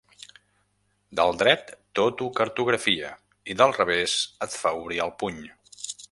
Del dret tot ho cartografia i del revés, et fa obrir el puny.